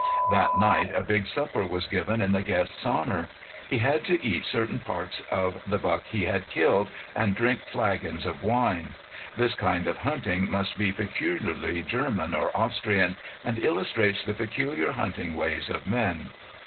That night a big supper was given in the guest's honor. He had to eat certain parts of the buck he had killed, and drink flagons of wine. This kind of hunting must be peculiarly German or Austrian, and illustrates the peculiar hunting ways of men.